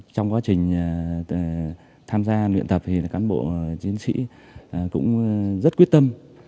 trong quá trình tham gia luyện tập thì cán bộ chiến sĩ cũng rất quyết tâm